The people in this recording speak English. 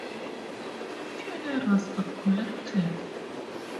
Funerals are collective.